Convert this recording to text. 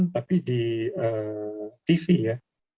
tapi di tv ya